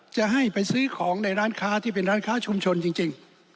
จะให้ไปซื้อของในร้านค้าที่เป็นร้านค้าชุมชนจริง